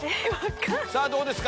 さぁどうですか？